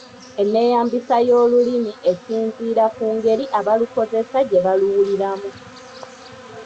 Enneeyambisa y’Olulimi esinziira ku ngeri abalukozesa gye baluwuliramu.